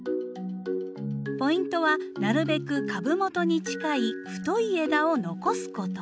ポイントはなるべく株元に近い太い枝を残すこと。